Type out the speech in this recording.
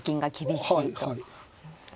はいはい。